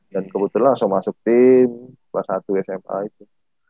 dan kebetulan langsung masuk tim kelas satu sma itu